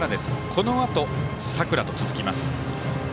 このあと佐倉と続きます。